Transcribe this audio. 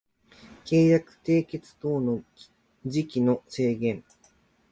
契約締結等の時期の制限